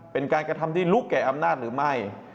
เป็นการกระทำที่ลุกแก่อำนาจหรือไม่